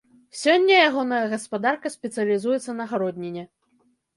Сёння ягоная гаспадарка спецыялізуецца на гародніне.